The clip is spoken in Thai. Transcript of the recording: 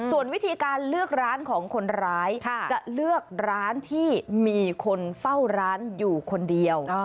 ส่วนวิธีการเลือกร้านของคนร้ายจะเลือกร้านที่มีคนเฝ้าร้านอยู่คนเดียว